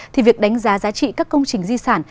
thì việc đánh giá giá trị các công trình di sản